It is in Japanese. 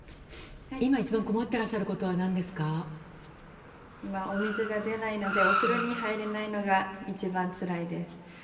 今一番困ってらっしゃることは今、お水が出ないのでお風呂に入れないのが一番つらいです。